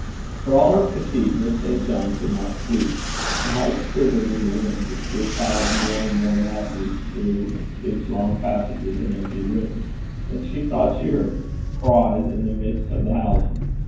For all her fatigue Miss St. John could not sleep. The house quivered in the wind which howled more and more madly through its long passages and empty rooms; and she thought she heard cries in the midst of the howling.